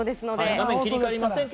画面切り替わりませんが。